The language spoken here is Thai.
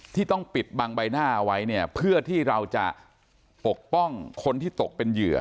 ที่ต้องปิดบังใบหน้าเอาไว้เนี่ยเพื่อที่เราจะปกป้องคนที่ตกเป็นเหยื่อ